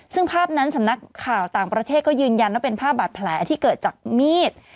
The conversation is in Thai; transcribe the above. ซึ่งภาพนั้นสำนักข่าวต่างประเทศก็ยืนยันว่าเป็นภาพบาดแผลที่เกิดจากมีด